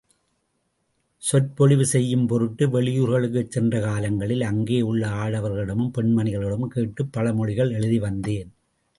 சொற்பொழிவு செய்யும் பொருட்டு வெளியூர்களுக்குச் சென்ற காலங்களில் அங்கே உள்ள ஆடவர்களிடமும் பெண்மணிகளிடமும் கேட்டுப் பழமொழிகளை எழுதி வந்தேன்.